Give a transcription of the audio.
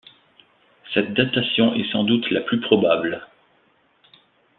Cette datation est sans doute la plus probable.